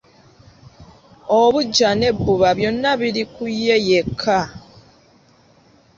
Obuggya n'ebbuba byonna biri ku ye yekka.